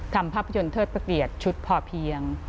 ทำภาพยนตร์เทิดประเทียดชุดพอเพียง